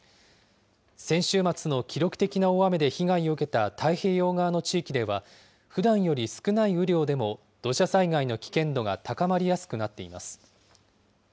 先週末の記録的な大雨で被害を受けた太平洋側の地域では、ふだんより少ない雨量でも土砂災害の危険度が高まりやすくなっています。